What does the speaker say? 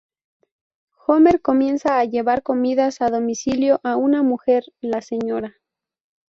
Homer comienza a llevar comidas a domicilio a una mujer, la Sra.